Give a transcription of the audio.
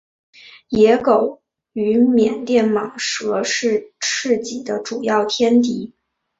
野狗与缅甸蟒蛇是赤麂的主要天敌。